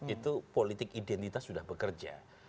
itu politik identitas sudah bekerja